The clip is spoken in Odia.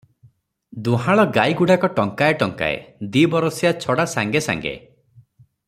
ଦୁହାଁଳ ଗାଈଗୁଡାକ ଟଙ୍କାଏ ଟଙ୍କାଏ, ଦି'ବରଷିଆ ଛଡ଼ା ସାଙ୍ଗେ ସାଙ୍ଗେ ।